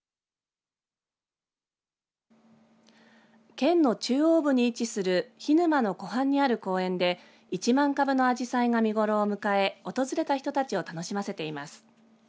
県の中央部に位置する涸沼の湖畔にある公園で１万株のあじさいが見頃を迎え訪れた人たちを楽しませています。